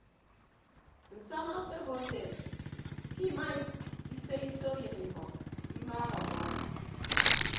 Nsama okobo ete ke ima ise iso eyịn emọ imaaha ọbọhọ.